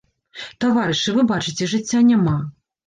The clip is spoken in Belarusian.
Таварышы, вы бачыце, жыцця няма.